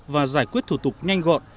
và giải quyết thủ tục nhanh gọn